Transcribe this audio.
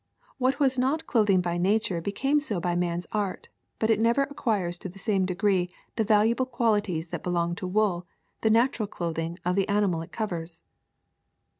What was not cloth ing by nature became so by man's art, but it never acquires to the same degree the valuable qualities that belong to wool, the natural clothing of the ani mal it covers.